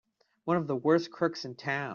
One of the worst crooks in town!